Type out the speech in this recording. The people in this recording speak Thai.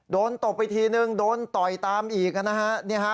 ตบไปทีนึงโดนต่อยตามอีกนะฮะ